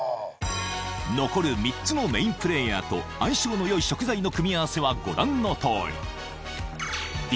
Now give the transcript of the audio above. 残る３つのメインプレーヤーと相性のよい食材の組み合わせはご覧の通り短鎖脂肪酸が作られる